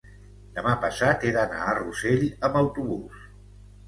Demà passat he d'anar a Rossell amb autobús.